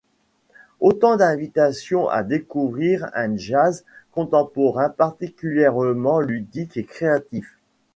Autant d’invitations à découvrir un jazz contemporain particulièrement ludique et créatif.